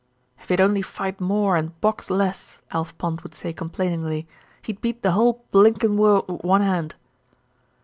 "If he'd only fight more and box less," Alf Pond would say complainingly, "he'd beat the whole blinkin' world with one hand."